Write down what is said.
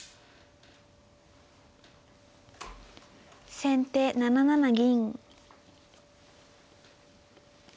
先手７七銀。